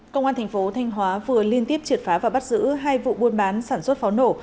công an thành phố thanh hóa vừa liên tiếp triệt phá và bắt giữ hai vụ buôn bán sản xuất pháo nổ